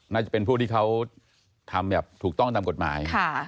น่าจะเป็นพวกที่เขาทำแบบถูกต้องตามกฎหมาย